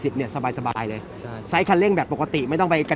สิบเนี่ยสบายเลยใช่ใช้คันเร่งแบบปกติไม่ต้องไปกัส